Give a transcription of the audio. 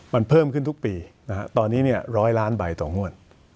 มันเพิ่มขึ้นทุกปีตอนนี้๑๐๐ล้านใบต่องวด